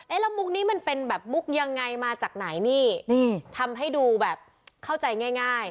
แล้วมุกนี้มันเป็นแบบมุกยังไงมาจากไหนนี่นี่ทำให้ดูแบบเข้าใจง่าย